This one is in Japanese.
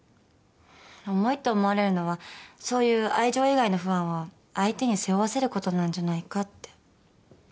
重いって思われるのはそういう愛情以外の不安を相手に背負わせることなんじゃないかって。